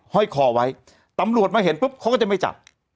ห้อยคอไว้ตำรวจมาเห็นปุ๊บเขาก็จะไม่จับ